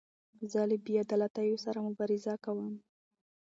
زه له بې عدالتیو سره مبارزه کوم.